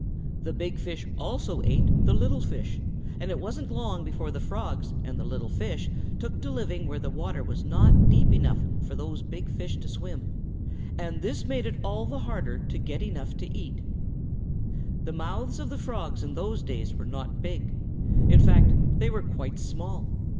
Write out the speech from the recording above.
The big fish also ate the little fish, and it wasn't long before the Frogs and the little fish took to living where the water was not deep enough for the big fish to swim, and this made it all the harder to get enough to eat. The mouths of the Frogs in those days were not big. In fact, they were quite small.